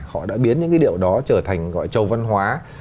họ đã biến những cái điệu đó trở thành gọi trầu văn hóa